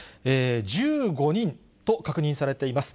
１５人と確認されています。